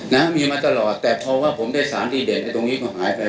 นะมีมาตลอดแต่พอว่าผมได้สารดีเด่นตรงนี้ก็หายไป